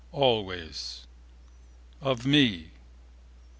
always... of me...